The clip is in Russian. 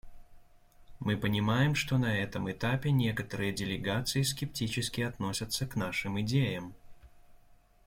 Мы понимаем, что на этом этапе некоторые делегации скептически относятся к нашим идеям.